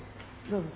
どうぞ。